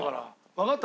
わかった？